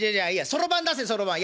そろばん出せそろばん」。